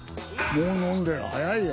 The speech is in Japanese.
もう飲んでる早いよ。